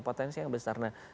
potensi yang besar